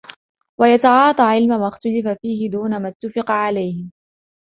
وَيَتَعَاطَى عِلْمَ مَا اُخْتُلِفَ فِيهِ دُونَ مَا اُتُّفِقَ عَلَيْهِ